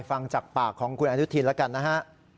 ฟังจากปากของคุณอนุทินแล้วกันนะฮะ